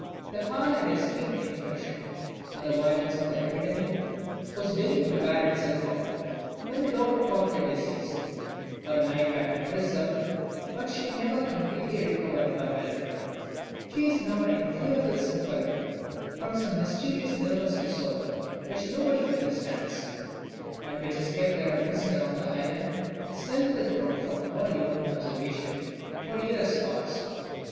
The father had escaped infection, and the violence of the epidemic was beginning to wear itself out, when the daughter caught the disease. Her life had been preserved, but she never completely recovered her health. She is now an incurable sufferer from some mysterious nervous disorder which nobody understands, and which has kept her a prisoner on the island, self withdrawn from all human observation, for years past.